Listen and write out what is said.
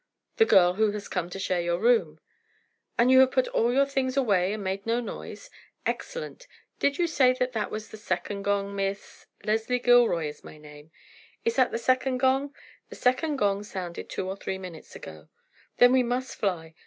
"The girl who has come to share your room." "And you have put all your things away and made no noise? Excellent! Did you say that that was the second gong, Miss——" "Leslie Gilroy is my name." "Is that the second gong?" "The second gong sounded two or three minutes ago." "Then we must fly.